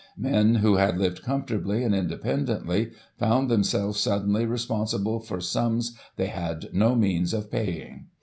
Men, who had lived comfortably and indepen dently, found themselves suddenly responsible for sums they had no means of paying.